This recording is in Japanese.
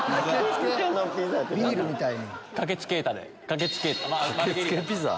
ビールみたいに。